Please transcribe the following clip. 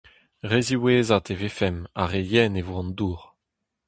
Re ziwezhat e vefemp ha re yen e vo an dour.